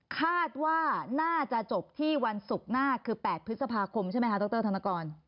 คาดว่าน่าจะจบที่วันศุกร์หน้าคือ๘พฤษภาคมใช่ไหมคะดรธนกร